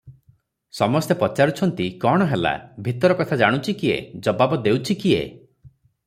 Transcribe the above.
ସମସ୍ତେ ପଚାରୁଛନ୍ତି, "କଣ ହେଲା?" ଭିତର କଥା ଜାଣୁଛି କିଏ, ଜବାବ ଦେଉଛି କିଏ?